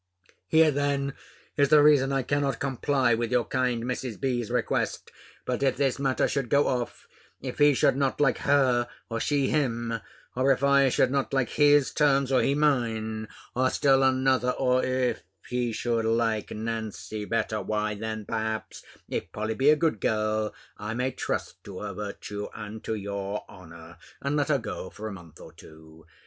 Here then is the reason I cannot comply with your kind Mrs. B.'s request. But if this matter should go off; if he should not like her, or she him; or if I should not like his terms, or he mine; or still another or, if he should like Nancy better why, then perhaps, if Polly be a good girl, I may trust to her virtue, and to your honour, and let her go for a month or two.